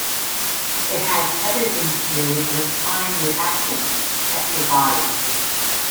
It has everything to do with your spine reacting to protect your body.